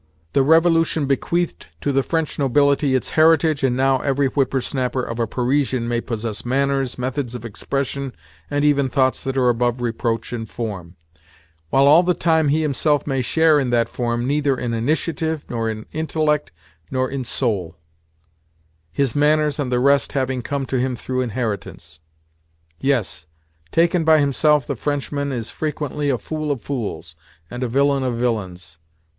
The Revolution bequeathed to the French nobility its heritage, and now every whipper snapper of a Parisian may possess manners, methods of expression, and even thoughts that are above reproach in form, while all the time he himself may share in that form neither in initiative nor in intellect nor in soul—his manners, and the rest, having come to him through inheritance. Yes, taken by himself, the Frenchman is frequently a fool of fools and a villain of villains.